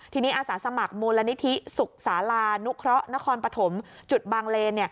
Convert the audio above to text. ทีนี้อาสาสมัครมูลนิธิสุขศาลานุเคราะห์นครปฐมจุดบางเลน